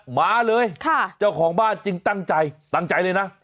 มาเลยเจ้าของบ้านจึงตั้งใจตั้งใจเลยนะ